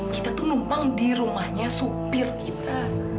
kita tuh numpang di rumahnya supir kita